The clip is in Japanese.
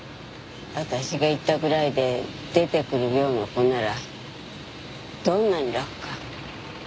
私が言ったぐらいで出てくるような子ならどんなに楽か。